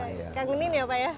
kangenin ya pak ya